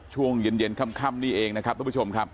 ช่วงเย็นค่ำนี่เองนะครับทุกผู้ชมครับ